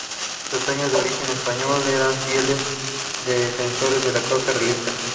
Sus dueños, de origen español, eran fieles defensores de la causa realista.